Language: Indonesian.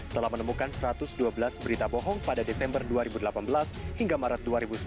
telah menemukan satu ratus dua belas berita bohong pada desember dua ribu delapan belas hingga maret dua ribu sembilan belas